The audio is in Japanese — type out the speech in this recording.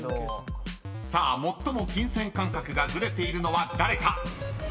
［さあ最も金銭感覚がずれているのは誰か？］